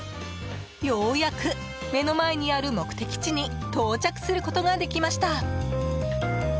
ようやく目の前にある目的地に到着することができました。